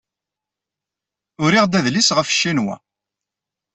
Uriɣ-d adlis ɣef Ccinwa.